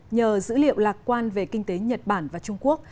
nhờ dữ liệu lạc quan về kinh tế nhật bản và trung quốc